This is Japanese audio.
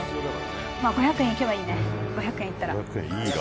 「５００円いけばいいね５００円いったら」